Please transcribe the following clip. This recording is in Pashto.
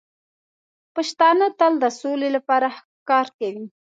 پښتانه تل د سولې لپاره کار کوي.